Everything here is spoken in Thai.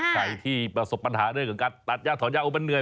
ใครที่ประสบปัญหาเรื่องของการตัดย่าถอนยาวมันเหนื่อย